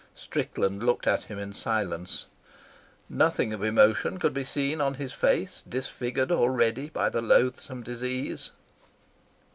Strickland looked at him in silence. Nothing of emotion could be seen on his face, disfigured already by the loathsome disease.